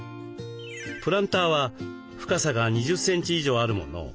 プランターは深さが２０センチ以上あるものを。